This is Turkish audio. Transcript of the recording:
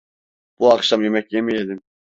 Bu akşam yemek yemeyelim…